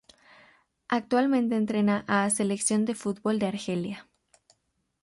Actualmente entrena a Selección de fútbol de Argelia.